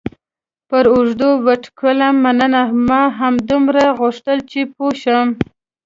پر اوږه یې وټکولم: مننه، ما همدومره غوښتل چې پوه شم.